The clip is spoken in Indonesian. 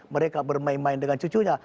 mereka bermain main dengan cucunya